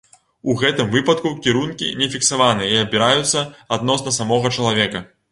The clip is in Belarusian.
У гэтым выпадку кірункі не фіксаваны і абіраюцца адносна самога чалавека.